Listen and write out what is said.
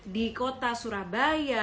di kota surabaya